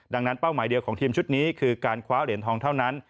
ดังนั้นเป้าหมายเดียวของทีมชุดนี้คือการคว้าเหรียญทองเท่านั้น